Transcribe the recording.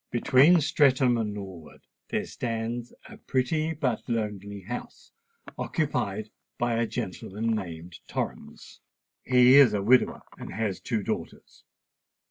"Between Streatham and Norwood there stands a pretty but lonely house, occupied by a gentleman named Torrens. He is a widower, and has two daughters.